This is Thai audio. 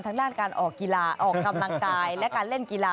ทั้งด้านการออกกำลังกายและการเล่นกีฬา